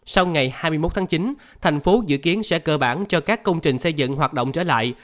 sau ngày hai mươi một tháng chín thành phố dự kiến sẽ cơ bản cho các công trình xây dựng hoạt động trở lại